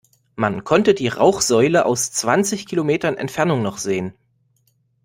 Man konnte die Rauchsäule aus zwanzig Kilometern Entfernung noch sehen.